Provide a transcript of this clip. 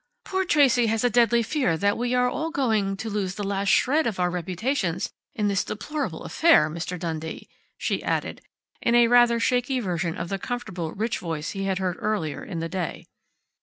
Poor Tracey has a deadly fear that we are all going to lose the last shred of our reputations in this deplorable affair, Mr. Dundee," she added in a rather shaky version of the comfortable, rich voice he had heard earlier in the day.